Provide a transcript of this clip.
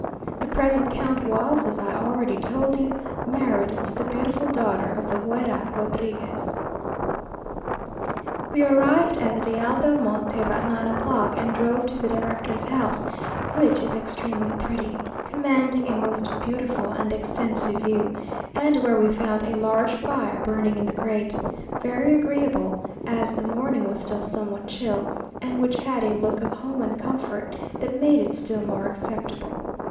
The present count was, as I already told you, married to the beautiful daughter of the Guerra Rodriguez. We arrived at Real del Monte about nine o'clock, and drove to the director's house, which is extremely pretty, commanding a most beautiful and extensive view, and where we found a large fire burning in the grate very agreeable, as the morning was still somewhat chill, and which had a look of home and comfort that made it still more acceptable.